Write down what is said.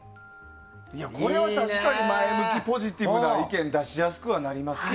これは確かに前向きなポジティブな意見出しやすくなりますよ。